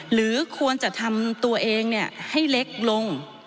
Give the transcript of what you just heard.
หรือควรจะทำตัวเองให้เล็กลง